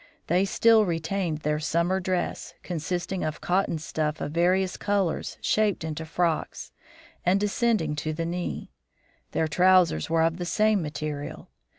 They still retained their summer dress, consisting of cotton stuff of various colors shaped into frocks, and descending to the knee. Their trousers were of the same material.